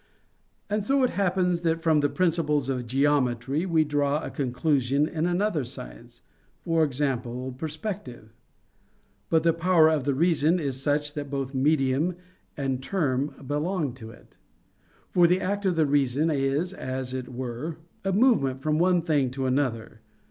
And so it happens that from the principles of geometry we draw a conclusion in another science for example, perspective. But the power of the reason is such that both medium and term belong to it. For the act of the reason is, as it were, a movement from one thing to another.